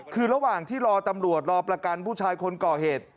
คือระหว่างที่รอตำรวจรอประกันผู้ชายคนก่อเหตุ